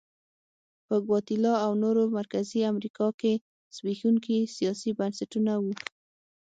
په ګواتیلا او نورو مرکزي امریکا کې زبېښونکي سیاسي بنسټونه وو.